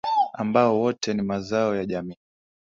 Ambao wote ni mazao ya jamii